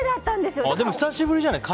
でも久しぶりじゃない？